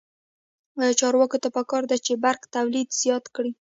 چارواکو ته پکار ده چې، برق تولید زیات کړي.